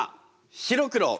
白黒。